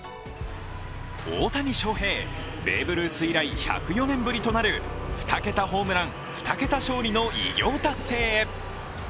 大谷翔平、ベーブ・ルース以来１０４年ぶりとなる２桁ホームラン、２桁勝利の偉業達成へ。